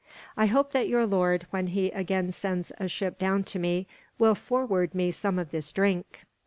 I hope that your lord, when he again sends a ship down to me, will forward me some of this drink."